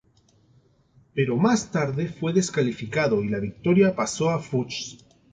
Pero más tarde fue descalificado y la victoria pasó a Fuchs.